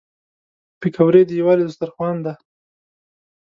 پکورې د یووالي دسترخوان دي